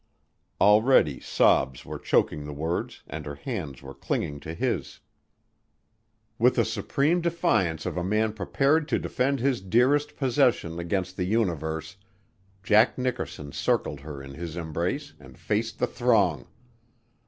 Already sobs were choking the words and her hands were clinging to his. With the supreme defiance of a man prepared to defend his dearest possession against the universe, Jack Nickerson circled her in his embrace and faced the throng.